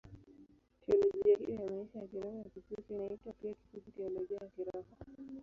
Teolojia hiyo ya maisha ya kiroho ya Kikristo inaitwa pia kifupi Teolojia ya Kiroho.